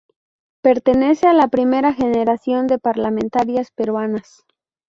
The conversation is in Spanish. Pertenece a la primera generación de parlamentarias peruanas.